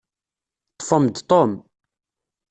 Ṭṭfem-d Tom.